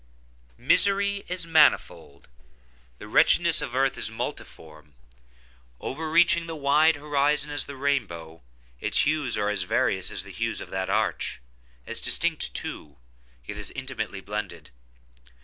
Misery is manifold. The wretchedness of earth is multiform. Overreaching the wide horizon as the rainbow, its hues are as various as the hues of that arch—as distinct too, yet as intimately blended.